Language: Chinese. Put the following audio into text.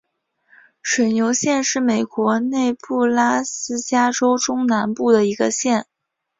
水牛县是美国内布拉斯加州中南部的一个县。